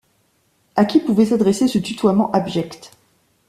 À qui pouvait s’adresser ce tutoiement abject?